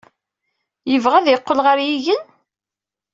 Yebɣa ad yeqqel ɣer yigen?